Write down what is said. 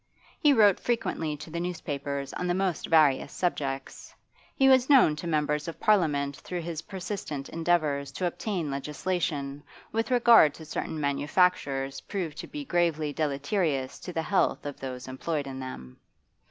He wrote frequently to the newspapers on the most various subjects; he was known to members of Parliament through his persistent endeavours to obtain legislation with regard to certain manufactures proved to be gravely deleterious to the health of those employed in them.